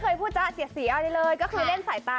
น้องกระดาษอีกท่านหนึ่งก็คือด้านนั้น